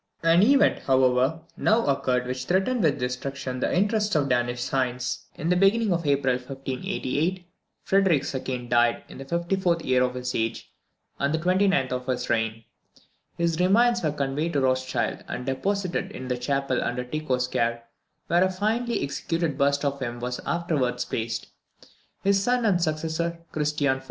An event, however, now occurred which threatened with destruction the interests of Danish science. In the beginning of April 1588, Frederick II. died in the 54th year of his age, and the 29th of his reign. His remains were conveyed to Rothschild, and deposited in the chapel under Tycho's care, where a finely executed bust of him was afterwards placed. His son and successor, Christian IV.